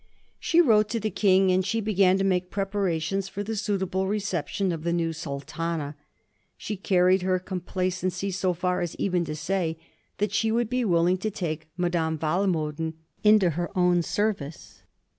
She wrote to the VOL. II. — 3 50 A BISTORT OF THE FOUR GEORGES. CH.zzin. King, and she began to make preparations for the suitable reception of the new sultana. She carried her compla cency so far as even to say that she would be willing to take Madame Walmoden into her own service.